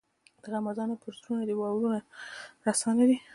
د غمازانو پر زړونو دي وارونه رسا نه دي.